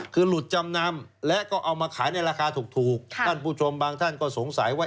คือหลุดจำนำและก็เอามาขายในราคาถูกท่านผู้ชมบางท่านก็สงสัยว่า